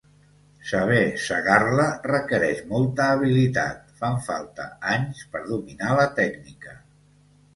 Saber segar-la requereix molta habilitat, fan falta anys per dominar la tècnica.